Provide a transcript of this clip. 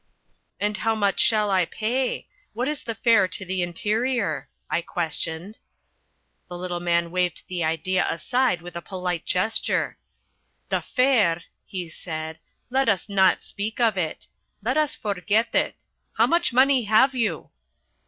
"And how much shall I pay? What is the fare to the interior?" I questioned. The little man waved the idea aside with a polite gesture. "The fare," he said, "let us not speak of it. Let us forget it How much money have you?"